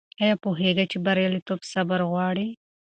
آیا پوهېږې چې بریالیتوب صبر غواړي؟